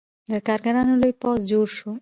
د کارګرانو لوی پوځ جوړ شو.